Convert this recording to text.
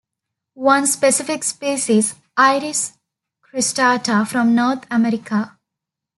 One specific species, "Iris cristata" from North America.